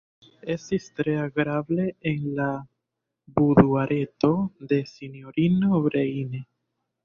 Estis tre agrable en la buduareto de sinjorino Breine.